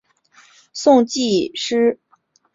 宋诗纪事卷二十四有载。